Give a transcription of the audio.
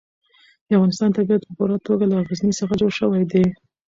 د افغانستان طبیعت په پوره توګه له غزني څخه جوړ شوی دی.